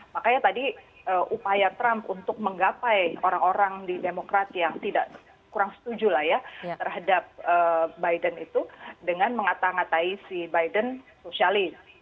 makanya tadi upaya trump untuk menggapai orang orang di demokrat yang kurang setuju lah ya terhadap biden itu dengan mengata ngatai si biden sosialis